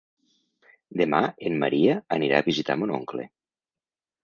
Demà en Maria anirà a visitar mon oncle.